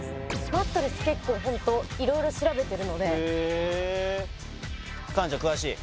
マットレス結構ホント色々調べてるのでへえ環奈ちゃん詳しい？